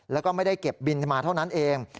แล้วก็ไม่ได้เก็บบินมาเท่านั้นเอง